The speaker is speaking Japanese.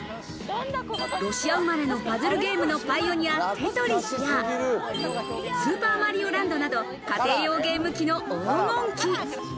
ロシア生まれのパズルゲームのパイオニア、テトリスや『スーパーマリオランド』など家庭用ゲーム機の黄金期。